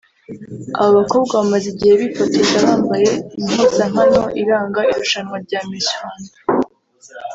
Aba bakobwa bamaze igihe bifotoza bambaye impuzankano iranga irushanwa rya Miss Rwanda